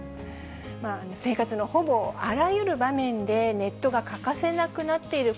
生活のほぼあらゆる場面でネットが欠かせなくなっている